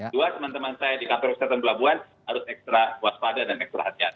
dua teman teman saya di kpru setelah bulan bulan harus ekstra waspada dan ekstra hati hati